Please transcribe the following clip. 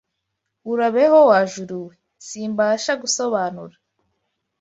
Urabeho, wa juru we; Simbasha gusobanura